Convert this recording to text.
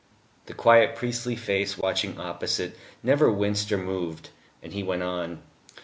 The quiet, priestly face watching opposite never winced or moved; and he went on.